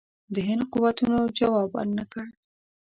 د هند قوتونو جواب ورنه کړ.